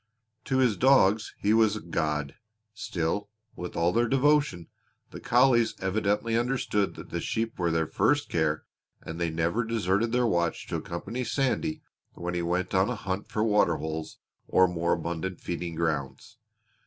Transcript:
To his dogs he was a god! Still, with all their devotion, the collies evidently understood that the sheep were their first care and they never deserted their watch to accompany Sandy when he went on a hunt for water holes or more abundant feeding grounds.